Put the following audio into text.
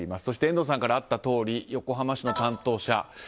そして遠藤さんからあったとおり横浜市の担当者。